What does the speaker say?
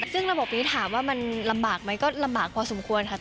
ซึ่งระบบนี้ถามว่ามันลำบากไหมก็ลำบากพอสมควรค่ะ